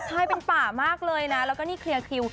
ใช่เป็นป่ามากเลยนะแล้วก็นี่เคลียร์คิว